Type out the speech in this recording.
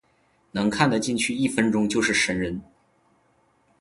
能看的进去一分钟就是神人